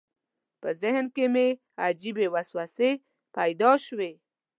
په ذهن کې مې عجیبې وسوسې پیدا شوې.